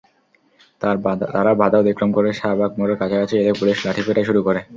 তাঁরা বাধা অতিক্রম করে শাহবাগ মোড়ের কাছাকাছি এলে পুলিশ লাঠিপেটা শুরু করে।